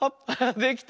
できた。